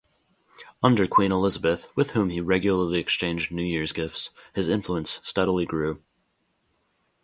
Under Queen Elizabeth, with whom he regularly exchanged New-Year's gifts, his influence steadily grew.